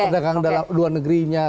pendekangan luar negerinya